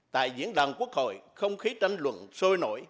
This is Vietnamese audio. tại diễn đàn quốc hội không khí tranh luận sôi nổi